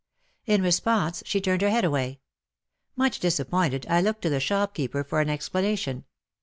In response she turned her head away ! Much disappointed, I looked to the shopkeeper for an explanation.